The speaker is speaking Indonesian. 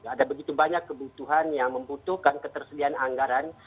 ada begitu banyak kebutuhan yang membutuhkan ketersediaan anggaran